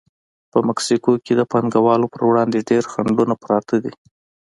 په مکسیکو کې د پانګوالو پر وړاندې ډېر خنډونه پراته دي.